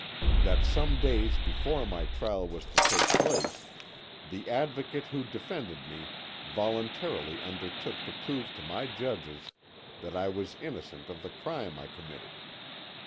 "That some days before my trial was to take place, the Advocate who defended me voluntarily undertook to prove to my judges that I was innocent of the crime I committed.